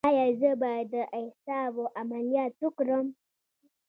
ایا زه باید د اعصابو عملیات وکړم؟